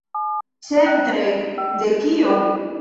Centre de kio?